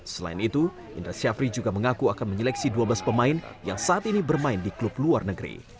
selain itu indra syafri juga mengaku akan menyeleksi dua belas pemain yang saat ini bermain di klub luar negeri